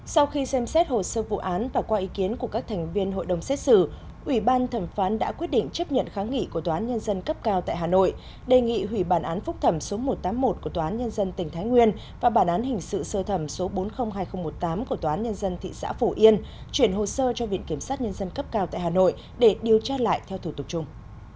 sau khi xem xét hồ sơ vụ án và qua ý kiến của các thành viên hội đồng xét xử ủy ban thẩm phán đã quyết định chấp nhận kháng nghị của tòa án nhân dân cấp cao tại hà nội đề nghị hủy bản án phúc thẩm số một trăm tám mươi một của tòa án nhân dân tỉnh thái nguyên và bản án hình sự sơ thẩm số bốn trăm linh hai nghìn một mươi tám của tòa án nhân dân thị xã phủ yên chuyển hồ sơ cho viện kiểm sát nhân dân cấp cao tại hà nội để điều tra lại theo thủ tục chung